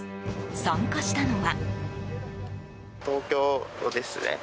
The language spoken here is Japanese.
参加したのは。